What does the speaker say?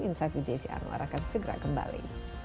insight with desi anwar akan segera kembali